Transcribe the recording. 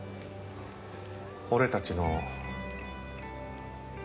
俺たちの。